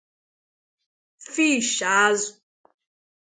Fish — Azụ